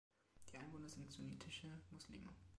Die Einwohner sind Sunnitische Muslime.